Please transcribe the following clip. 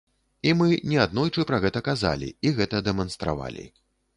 І мы неаднойчы пра гэта казалі і гэта дэманстравалі.